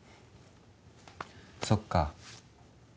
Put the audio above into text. そっか。